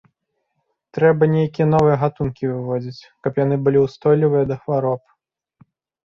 Трэба нейкія новыя гатункі выводзіць, каб яны былі ўстойлівыя да хвароб.